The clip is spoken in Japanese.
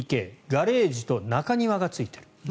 ガレージと中庭がついている。